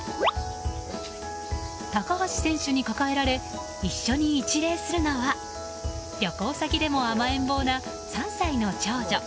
高橋選手に抱えられ一緒に一礼するのは旅行先でも甘えん坊な３歳の長女。